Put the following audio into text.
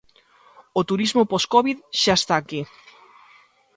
O turismo poscovid xa está aquí.